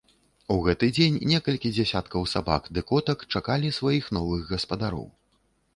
У гэты дзень некалькі дзясяткаў сабак ды котак чакалі сваіх новых гаспадароў.